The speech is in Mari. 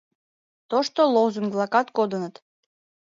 Тошто лозунг-влакат кодыныт.